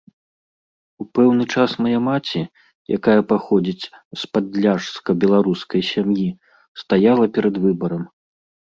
У пэўны час мая маці, якая паходзіць з падляшска-беларускай сям'і, стаяла перад выбарам.